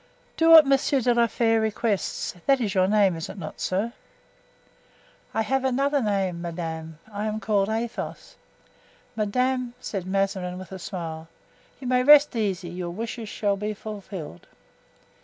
"Do what Monsieur de la Fere requests; that is your name, is it not, sir?" "I have another name, madame—I am called Athos." "Madame," said Mazarin, with a smile, "you may rest easy; your wishes shall be fulfilled."